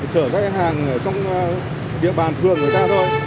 chở các cái hàng ở trong địa bàn thường người ta thôi